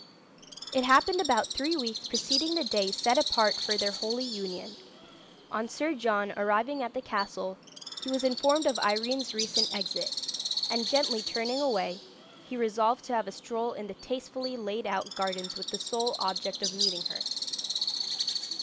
It happened about three weeks preceding the day set apart for their holy union, on Sir John arriving at the castle, he was informed of Irene's recent exit, and gently turning away, he resolved to have a stroll in the tastefully laid out gardens with the sole object of meeting her.